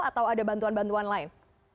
atau ada bantuan bantuan lain